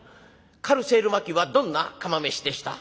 「カルーセル麻紀はどんな釜飯でした？」。